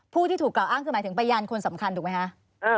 ผู้ที่ถูกกล่าวอ้างคือหมายถึงพยานคนสำคัญถูกไหมคะ